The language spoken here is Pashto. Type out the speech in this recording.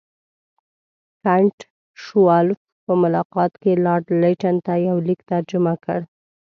کنټ شووالوف په ملاقات کې لارډ لیټن ته یو لیک ترجمه کړ.